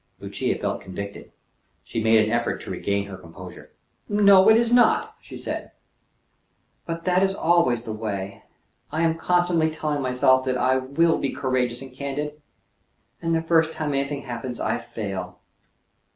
Lucia felt convicted. She made an effort to regain her composure. "No, it is not," she said. "But that is always the way. I am continually telling myself that I will be courageous and candid; and, the first time any thing happens, I fail.